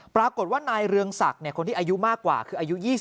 ปรากฏว่านายเรืองศักดิ์คนที่อายุมากกว่าคืออายุ๒๐